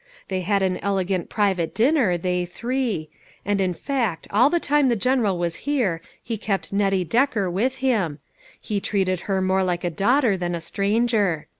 425 I "They had an elegant private dinner, they three ; and in fact all the time the General was here, he kept Nettie Decker with them ; he treated her mon* like a daughter than a stranger.